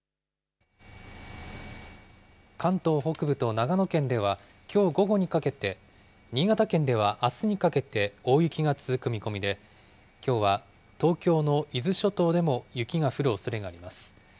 関東北部と長野県では、きょう午後にかけて、新潟県ではあすにかけて、大雪が続く見込みで、きょうは東京の伊豆諸島でも雪が降るおそれがあります。